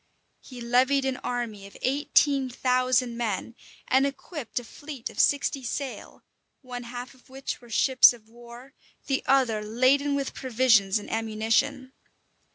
He levied an army of eighteen thousand men, and equipped a fleet of sixty sail, one half of which were ships of war, the other laden with provisions and ammunition.